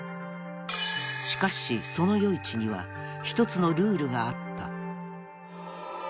［しかしその夜市には１つのルールがあった］